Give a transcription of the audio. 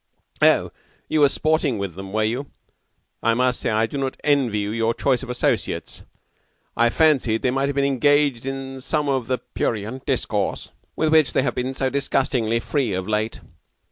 "Oh, you were sporting with them, were you? I must say I do not envy you your choice of associates. I fancied they might have been engaged in some of the prurient discourse with which they have been so disgustingly free of late.